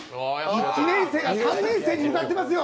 １年生が３年生に向かってますよ。